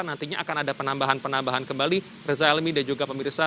nantinya akan ada penambahan penambahan kembali reza almi dan juga pak mirza